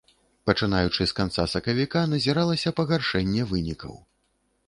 Пачынаючы з канца сакавіка назіралася пагаршэнне вынікаў.